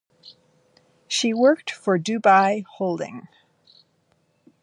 She worked for Dubai Holding.